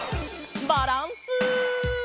バランス。